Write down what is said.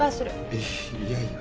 えっいやいや。